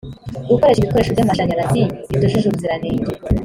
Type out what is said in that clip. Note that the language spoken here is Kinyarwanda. gukoresha ibikoresho by’amashanyarazi bitujuje ubuziranenge